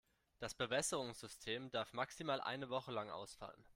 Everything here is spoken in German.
Das Bewässerungssystem darf maximal eine Woche lang ausfallen.